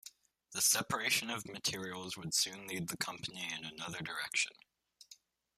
The separation of materials would soon lead the company in another direction.